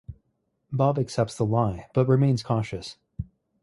Bob accepts the lie but remains cautious.